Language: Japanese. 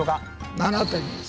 ７点です。